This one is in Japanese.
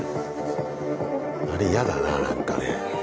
あれ嫌だな何かね。